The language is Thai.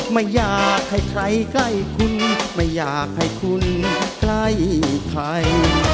ไม่อยากให้ใครใกล้คุณไม่อยากให้คุณใกล้ใคร